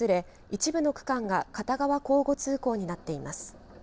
一部の区間が片側交互通行になっています。